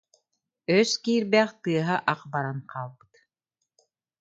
Өс киирбэх, тыаһа ах баран хаалбыт